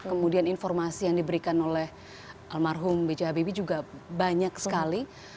kemudian informasi yang diberikan oleh almarhum b j habibie juga banyak sekali